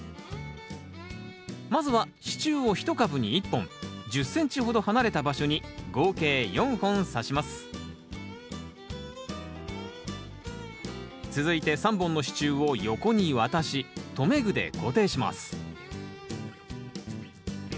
まずは支柱を１株に１本１０ｃｍほど離れた場所に合計４本さします続いて３本の支柱を横に渡し留め具で固定します